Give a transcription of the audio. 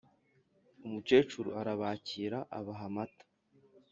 umukecuru arabakira abaha amata,